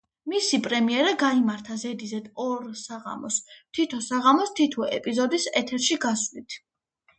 მისი პრემიერა გაიმართა ზედიზედ ორ საღამოს, თითო საღამოს თითო ეპიზოდის ეთერში გასვლით.